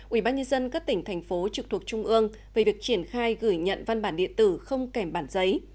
ubnd các tỉnh thành phố trực thuộc trung ương về việc triển khai gửi nhận văn bản điện tử không kèm bản giấy